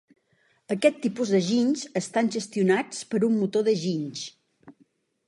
Aquests tipus de ginys estan gestionats per un motor de ginys.